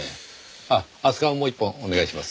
ああ熱燗をもう一本お願いします。